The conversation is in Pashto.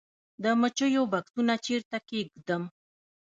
د مچیو بکسونه چیرته کیږدم؟